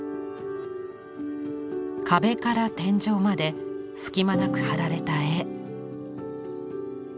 壁から天井まで隙間なく貼られた絵。